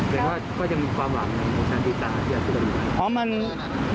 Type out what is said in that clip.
แต่ว่าก็จะมีความหวังในชั้นดีการ์ที่จะสู้กันไป